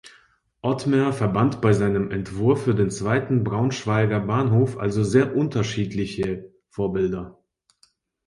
Ottmer verband bei seinem Entwurf für den zweiten Braunschweiger Bahnhof also sehr unterschiedliche Vorbilder.